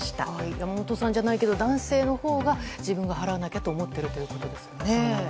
山本さんじゃないけど男性のほうが自分が払わなきゃと思ってるんですよね。